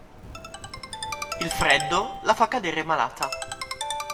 Il freddo la fa cadere malata.